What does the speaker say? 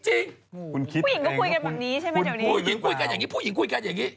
คุณคิดเองว่าคุณรู้เปล่าผู้หญิงคุยกันอย่างนี้ผู้หญิงคุยกันอย่างนี้